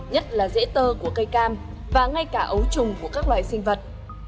nhất là dễ tơ của cây cam và ngay cả ấu trùng của các loài sinh vật